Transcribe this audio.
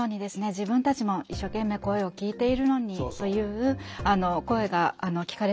自分たちも一生懸命声を聴いているのにという声が聞かれることもあります。